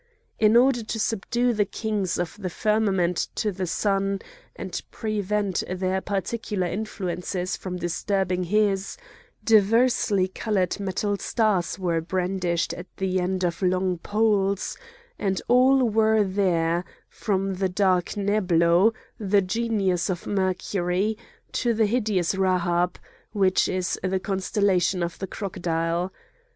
In order to subdue the kings of the firmament to the Sun, and prevent their particular influences from disturbing his, diversely coloured metal stars were brandished at the end of long poles; and all were there, from the dark Neblo, the genius of Mercury, to the hideous Rahab, which is the constellation of the Crocodile.